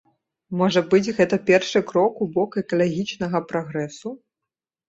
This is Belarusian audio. Можа быць, гэта першы крок у бок экалагічнага прагрэсу?